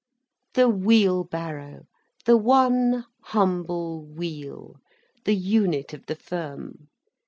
The wheel barrow—the one humble wheel—the unit of the firm.